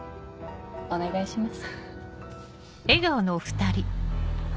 お願いします。